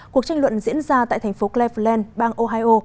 cuộc tranh luận diễn ra tại thành phố cleveland bang ohio